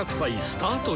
１！スタート！」。